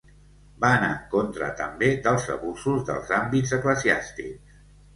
Va anar en contra també dels abusos dels àmbits eclesiàstics.